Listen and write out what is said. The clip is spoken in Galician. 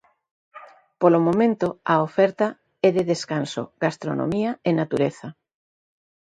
Polo momento, a oferta é de descanso, gastronomía e natureza.